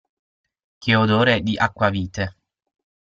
Che odore di acquavite!